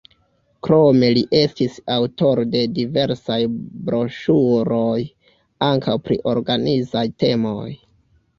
Krome li estis aŭtoro de diversaj broŝuroj, ankaŭ pri organizaj temoj.